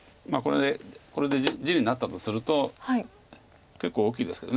これで地になったとすると結構大きいですけど。